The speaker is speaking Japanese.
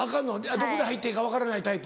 どこで入っていいか分からないタイプ？